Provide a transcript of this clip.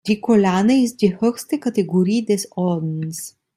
Die Collane ist die höchste Kategorie des Ordens.